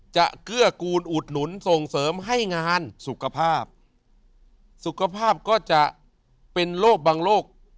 เกื้อกูลอุดหนุนส่งเสริมให้งานสุขภาพสุขภาพก็จะเป็นโรคบางโรค